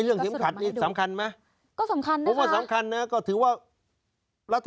เรื่องเข็มขัดนี่สำคัญไหมผมว่าสำคัญนะก็ถือว่าก็สรุปมาให้ดู